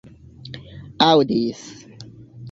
aŭdis